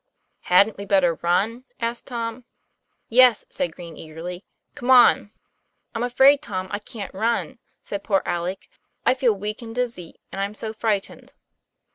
" Hadn't we better run ?" asked Tom. 'Yes," said Green, eagerly. "Come on." "I'm afraid, Tom, I can't run," said poor Alec. 'I feel weak and dizzy, and I'm so frightened.'